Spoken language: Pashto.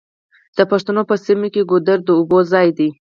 د پښتنو په سیمو کې ګودر د اوبو ځای دی.